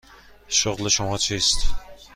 شغل شما چیست؟